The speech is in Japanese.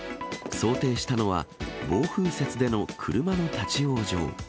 想定したのは、暴風雪での車の立往生。